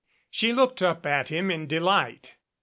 She looked up at him in delight.